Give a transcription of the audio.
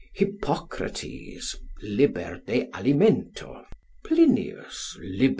Hypocrates, lib. de alimento. Plinius, lib.